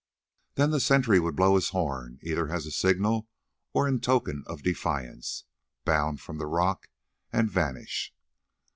Then the sentry would blow his horn, either as a signal or in token of defiance, bound from the rock, and vanish.